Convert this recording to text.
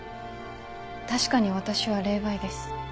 確かに私は霊媒です。